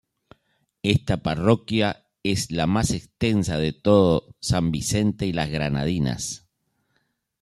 Esta parroquia es la más extensa de todo San Vicente y las Granadinas.